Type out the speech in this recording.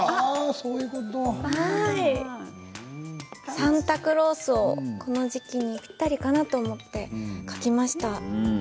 サンタクロースこの時期にぴったりかなと思って描きました。